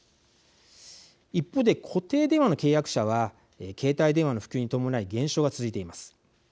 一方で固定電話の契約者は携帯電話の普及に伴い減少が続いています。